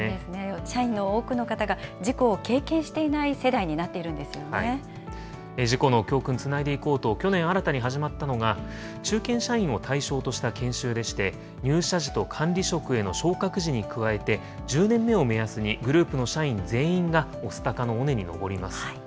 社員の多くの方が、事故を経験していない世代になっているん事故の教訓、つないでいこうと、去年、新たに始まったのが、中堅社員を対象とした研修でして、入社時と管理職への昇格時に加えて、１０年目を目安にグループの社員全員が御巣鷹の尾根に登ります。